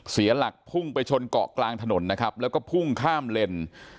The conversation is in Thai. เสียหลักพุ่งไปชนเกาะกลางถนนนะครับแล้วก็พุ่งข้ามเลน